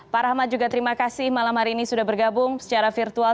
pak rahmat juga terima kasih malam hari ini sudah bergabung secara virtual